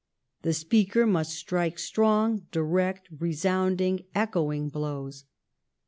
The speaker must strike strong, direct, resounding, echoing blows.